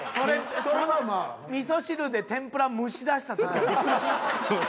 味噌汁で天ぷら蒸し出した時はビックリしました。